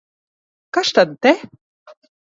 Kas tad te?